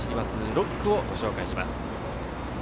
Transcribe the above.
６区をご紹介します。